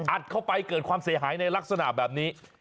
อัดเข้าไปเกิดความเสียหายในลักษณะแบบนี้